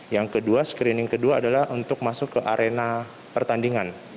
yang kedua screening kedua adalah untuk masuk ke arena pertandingan